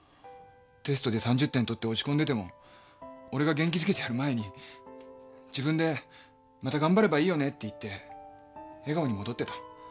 テストで３０点取って落ち込んでても俺が元気づけてやる前に自分で「また頑張ればいいよね」って言って笑顔に戻ってた。